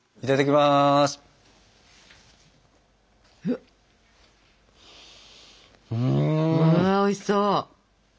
まあおいしそう。